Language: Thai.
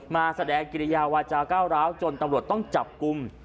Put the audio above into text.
มาแสดงกิริยาวาจาก้าวร้าวจนตำรวจต้องจับกลุ่ม